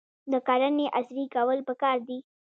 د کرنې عصري کول پکار دي.